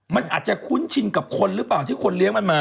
มันอาจจะคุ้นชินกับคนหรือเปล่าที่คนเลี้ยงมันมา